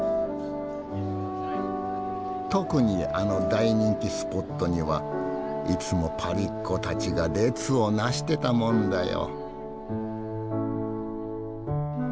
特にあの大人気スポットにはいつもパリっ子たちが列を成してたもんだよ。